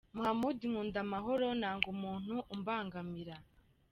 Muhamud: Nkunda amahoro nanga umuntu umbangamira.